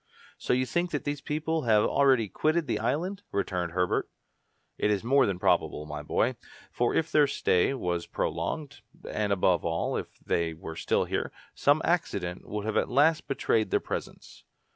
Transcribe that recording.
"So you think that these people have already quitted the island?" returned Herbert. "It is more than probable, my boy; for if their stay was prolonged, and above all, if they were still here, some accident would have at last betrayed their presence."